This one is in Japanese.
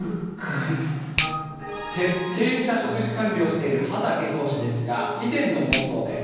徹底した食事管理をしている畠投手ですが、以前の放送で。